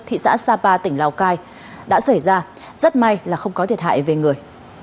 thị xã sapa tỉnh lào cai đã xảy ra rất may là không có thiệt hại về người